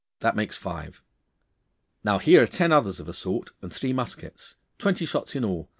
That makes five. Now here are ten others of a sort and three muskets. Twenty shots in all.